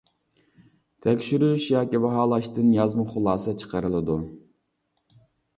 تەكشۈرۈش ياكى باھالاشتىن يازما خۇلاسە چىقىرىلىدۇ.